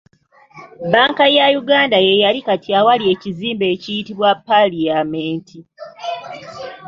Banka ya Uganda yeeyali kati awali ekizimbe ekiyitibwa Parliament.